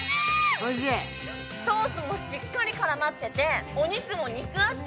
ソースもしっかり絡まっててお肉も肉厚。